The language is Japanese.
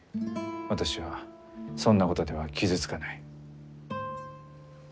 私はそんなことでは傷つかない。